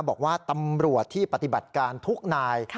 บอกว่าตำรวจที่ปฏิบัติการทุกนาย